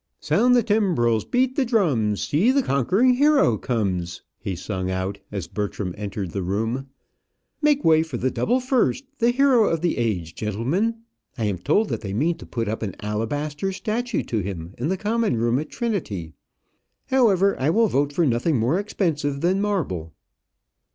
"Sound the timbrels, beat the drums; See the conqu'ring hero comes," he sung out as Bertram entered the room. "Make way for the double first the hero of the age, gentlemen! I am told that they mean to put up an alabaster statue to him in the Common Room at Trinity. However, I will vote for nothing more expensive than marble."